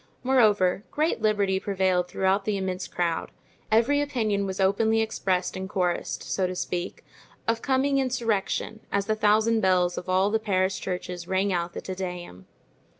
Moreover, great liberty prevailed throughout the immense crowd; every opinion was openly expressed and chorused, so to speak, of coming insurrection, as the thousand bells of all the Paris churches rang out the Te Deum.